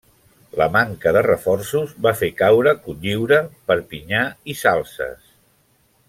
La manca de reforços va fer caure Cotlliure, Perpinyà i Salses.